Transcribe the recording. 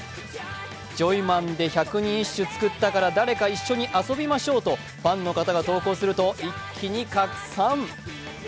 ジョイマンで百人一首作ったから誰か一緒に遊びましょうとファンの方が投稿すると一気に拡散。